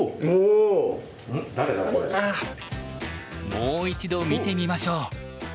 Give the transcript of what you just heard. もう一度見てみましょう。